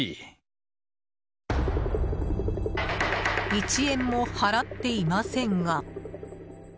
一円も払っていませんが。